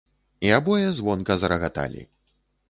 І абое звонка зарагаталі.